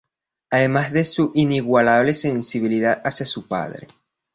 Además de su inigualable sensibilidad hacia su padre.